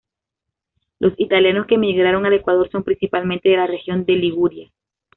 Los italianos que emigraron al Ecuador son principalmente de la región de Liguria.